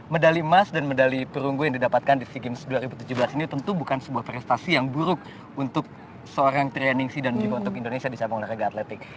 medali emas dan medali perunggu yang didapatkan di sea games dua ribu tujuh belas ini tentu bukan sebuah prestasi yang buruk untuk seorang trianingsi dan juga untuk indonesia di sabang olahraga atletik